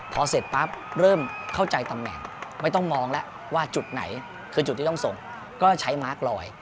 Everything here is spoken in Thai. พอเสร็จปั๊บเริ่มเข้าใจตำแหน่งไม่ต้องมองแล้วว่าจุดไหนคือจุดที่ต้องส่งก็ใช้มาร์คลอย